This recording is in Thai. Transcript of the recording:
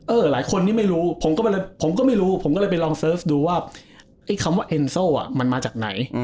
เอ่อหลายคนนี่ไม่รู้ผมก็ไม่รู้ผมก็เลยไปลองดูว่าไอ้คำว่าเอ็นโซอ่ะมันมาจากไหน